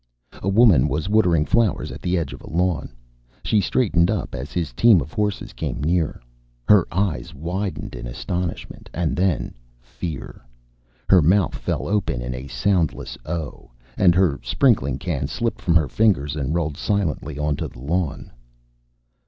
A woman was watering flowers at the edge of a lawn. She straightened up as his team of horses came near. Her eyes widened in astonishment and then fear. Her mouth fell open in a soundless O and her sprinkling can slipped from her fingers and rolled silently onto the lawn.